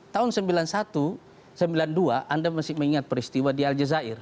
tahun sembilan puluh satu sembilan puluh dua anda masih mengingat peristiwa di al jazair